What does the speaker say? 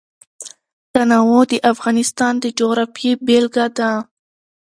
تنوع د افغانستان د جغرافیې بېلګه ده.